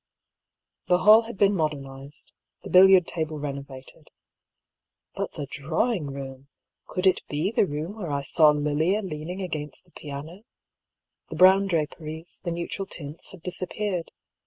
The hall had been modernised, the billiard table renovated. But the drawing room! Could it be the room where I saw Lilia leaning against the piano ? The brown draperies, the neutral tints had disappeared.